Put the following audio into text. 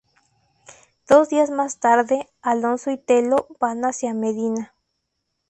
Dos días más tarde, Alonso y Tello van hacia Medina.